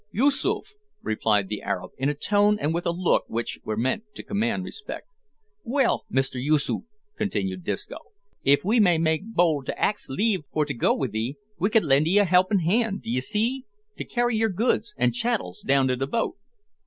Yoosoof," replied the Arab, in a tone and with a look which were meant to command respect. "Well, Mister Yoosoof," continued Disco, "if we may make bold to ax leave for to go with 'ee, we could lend 'ee a helpin' hand, d'ye see, to carry yer goods an' chattels down to the boat."